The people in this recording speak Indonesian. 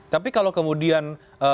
tapi kalau kemudian